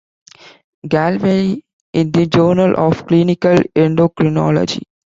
Gallwey in the "Journal of Clinical Endocrinology".